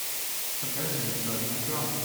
A person is holding a drum.